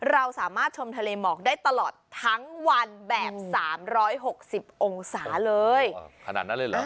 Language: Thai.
เราสามารถชมทะเลหมอกได้ตลอดทั้งวัน